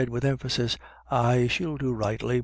197 with emphasis :" Ay, shell do rightly.